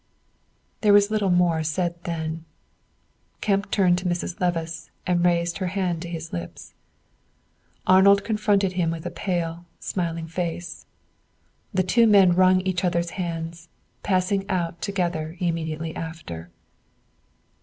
There was little more said then. Kemp turned to Mrs. Levice and raised her hand to his lips. Arnold confronted him with a pale, smiling face; the two men wrung each other's hands, passing out together immediately after.